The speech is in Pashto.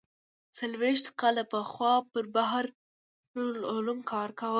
څلوېښت کاله پخوا پر بحر العلوم کار کاوه.